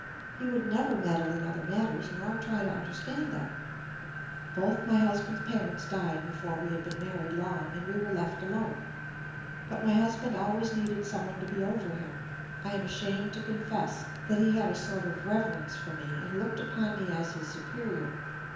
He would never meddle in other matters, nor try to understand them. "Both my husband's parents died before we had been married long, and we were left alone. But my husband always needed some one to be over him. I am ashamed to confess that he had a sort of reverence for me, and looked upon me as his superior.